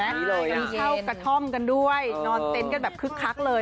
มีเช่ากระท่อมกันด้วยนอนเต็นต์กันแบบคึกคักเลย